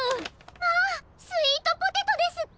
まあスイートポテトですって！？